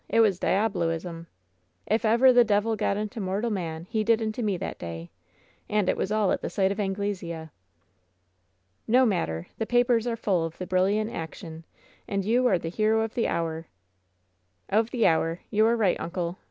It was diabolism! If ever the devil got into mortal man he did into me that day! And it was all at the sight of Anglesea." "No matter, the papers are full of the brilliant action, and vou are the hero of the hour." "Of the hour. You are right, uncle!